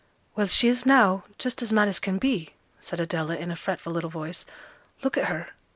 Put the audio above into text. "Well, she is now just as mad as can be," said Adela, in a fretful little voice; "look at her."